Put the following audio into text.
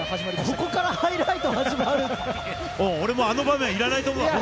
ここからハイライト始まるんだ？